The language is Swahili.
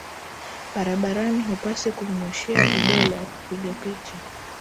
barabarani hupaswi kumnyooshea vidole au kupiga picha